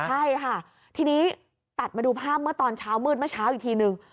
ใช่ค่ะทีนี้ตัดมาดูภาพเมื่อตอนเช้ามืดเมื่อเช้าอีกทีนึง